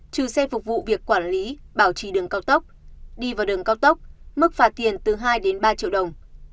trừ xe phục vụ việc quản lý bảo trì đường cao tốc đi vào đường cao tốc mức phạt tiền từ hai đến ba triệu đồng